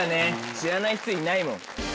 知らない人いないもん。